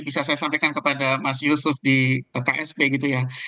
bisa saya sampaikan kepada mas yusuf di ksp gitu ya